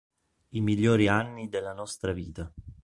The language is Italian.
I migliori anni della nostra vita